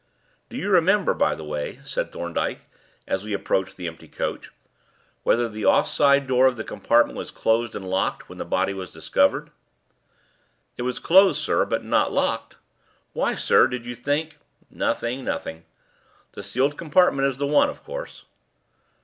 "Do you remember, by the way," said Thorndyke, as we approached the empty coach, "whether the off side door of the compartment was closed and locked when the body was discovered?" "It was closed, sir, but not locked. Why, sir, did you think ?" "Nothing, nothing. The sealed compartment is the one, of course?"